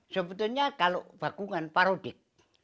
sebetulnya kalau bakungan parodik